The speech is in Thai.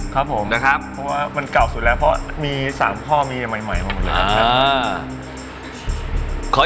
ครับผมเพราะว่ามันเก่าสุดแล้วเพราะมี๓ข้อมีอย่างใหม่มากเลยครับ